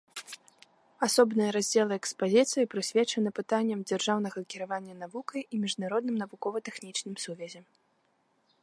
Асобныя раздзелы экспазіцыі прысвечаны пытанням дзяржаўнага кіравання навукай і міжнародным навукова-тэхнічным сувязям.